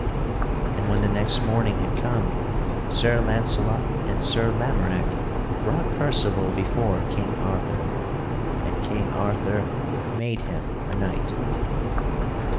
And when the next morning had come, Sir Launcelot and Sir Lamorack brought Percival before King Arthur, and King Arthur made him a knight.